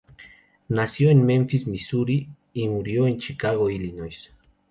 Nació en Memphis, Missouri y murió en Chicago, Illinois.